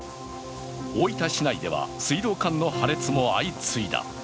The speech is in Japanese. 大分市内では、水道管の破裂も相次いだ。